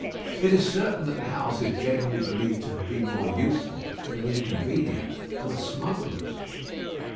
It is certain that the house is generally believed to have been more useful than inconvenient to the smugglers.